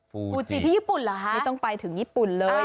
พูดสิที่ญี่ปุ่นเหรอคะไม่ต้องไปถึงญี่ปุ่นเลย